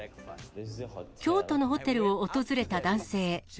京都のホテルを訪れた男性。